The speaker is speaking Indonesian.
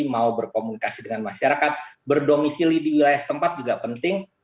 mau berkomunikasi dengan masyarakat berdomisili di wilayah setempat juga penting